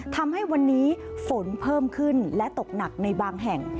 ทำให้วันนี้ฝนเพิ่มขึ้นและตกหนักในบางแห่ง